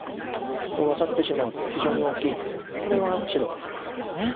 これワタってしまうと非常に大きいのでこれは白が不満です。